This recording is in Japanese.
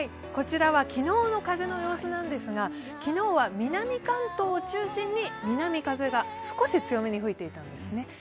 こちらは昨日の風の様子なんですが、昨日は南関東を中心に南風が少し強めに吹いていたんですね。